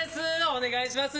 お願いします。